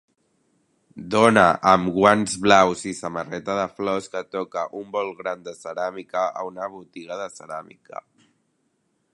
Dona amb guants blaus i samarreta de flors que toca un bol gran de ceràmica a una botiga de ceràmica